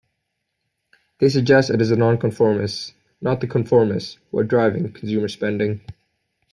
They suggest it is the nonconformists, not the conformists, who are driving consumer spending.